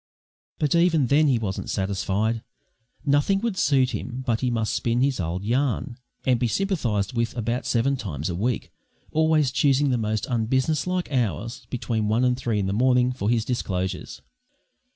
But even then he wasn't satisfied. Nothing would suit him but he must spin his old yarn, and be sympathised with about seven times a week, always choosing the most unbusinesslike hours (between one and three in the morning) for his disclosures.